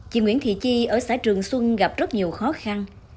chị nguyễn thị chi ở xã trường xuân gặp rất nhiều khó khăn